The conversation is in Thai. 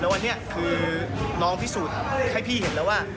วันนี้คือน้องพิสูจน์ให้พี่เห็นแล้วว่า